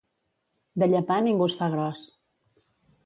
De llepar ningú es fa gros.